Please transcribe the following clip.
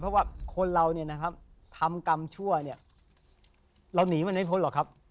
เพราะว่าคนเราเนี่ยนะครับทำกรรมชั่วเนี่ยเราหนีมันไม่พ้นหรอกครับ